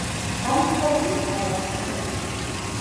Ankaŭ mi havas filon.